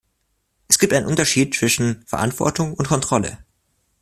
Es gibt einen Unterschied zwischen Verantwortung und Kontrolle.